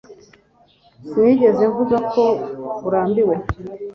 Sinigeze mvuga ko urambiwe